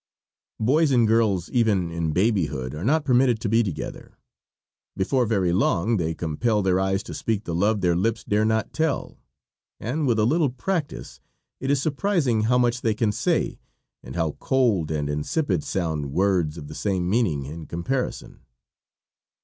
Boys and girls, even in babyhood, are not permitted to be together. Before very long they compel their eyes to speak the love their lips dare not tell, and with a little practice it is surprising how much they can say, and how cold and insipid sound words of the same meaning in comparison.